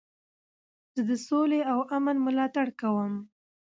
زه د سولي او امن ملاتړ کوم.